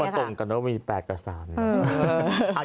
มาตรงกันแล้วมี๘กับ๓